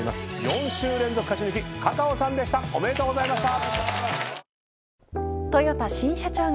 ４週連続勝ち抜きｃａｃａｏさんでしたおめでとうございました！